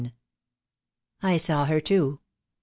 "I saw her too.